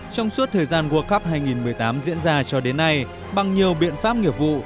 trong suốt thời gian world cup hai nghìn một mươi tám diễn ra cho đến nay bằng nhiều biện pháp nghiệp vụ